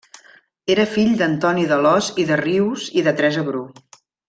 Era fill d'Antoni d'Alòs i de Rius i de Teresa Bru.